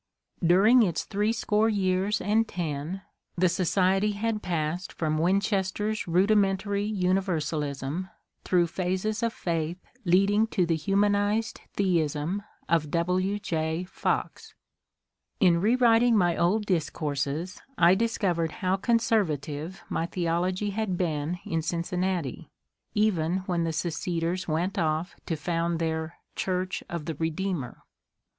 During its threescore years and ten the society had passed from Win chester's rudimentary universalism through phases of faith leading to the humanized theism of W. J. Fox. In rewriting my old discourses I discovered how conservative my theology had been in Cincinnati, even when the seceders went off to found their '^ Church of the Redeemer."